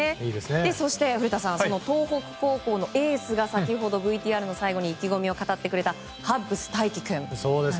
そして古田さん東北高校のエースが先ほどＶＴＲの最後に意気込みを語ってくれたハッブス大起君。